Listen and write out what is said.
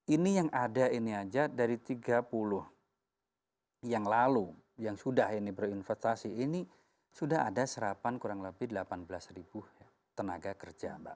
ini yang ada ini aja dari tiga puluh yang lalu yang sudah ini berinvestasi ini sudah ada serapan kurang lebih delapan belas ribu tenaga kerja